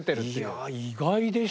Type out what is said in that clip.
いや意外でしたね。